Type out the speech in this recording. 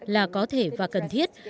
là có thể và cần thiết